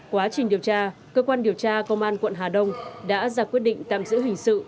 quá trình điều tra cơ quan điều tra công an quận hà đông đã ra quyết định tạm giữ hình sự